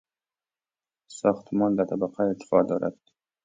ساختمان ده طبقه ارتفاع دارد.